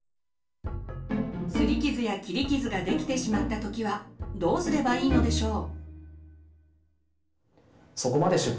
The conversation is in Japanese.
すり傷や切り傷ができてしまった時はどうすればいいのでしょう？